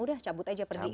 udah cabut aja pergi gitu ya